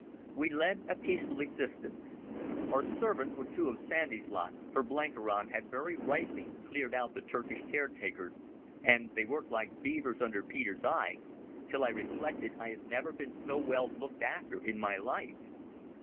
We led a peaceful existence. Our servants were two of Sandy's lot, for Blenkiron had very rightly cleared out the Turkish caretakers, and they worked like beavers under Peter's eye, till I reflected I had never been so well looked after in my life.